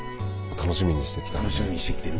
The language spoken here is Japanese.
楽しみにしてきてる。